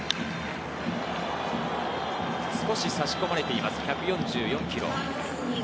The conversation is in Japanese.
少し差し込まれています、１４４キロ。